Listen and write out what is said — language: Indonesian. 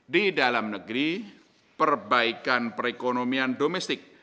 di dalam negeri perbaikan perekonomian domestik